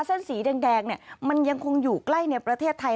เส้นสีแดงมันยังคงอยู่ใกล้ในประเทศไทย